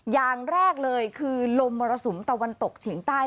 อย่างแรกเลยคือลมมรสุมตะวันตกเฉียงใต้